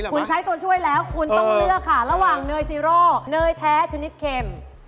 คุณใช้ตัวช่วยแล้วคุณต้องเลือกค่ะระหว่างเนยซีโร่เนยแท้ชนิดเข็ม